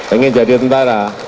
ingin jadi tentara